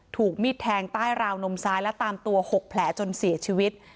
ถูกมีดแทงใต้ราวนมซ้ายและตามตัว๖แผลจนเสียชีวิต